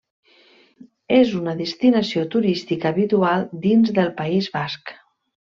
És una destinació turística habitual dins del País Basc.